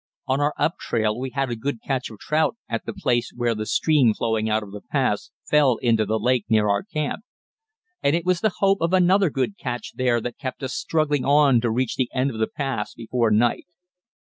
On our uptrail we had had a good catch of trout at the place where the stream flowing out of the pass fell into the lake near our camp, and it was the hope of another good catch there that kept us struggling on to reach the end of the pass before night.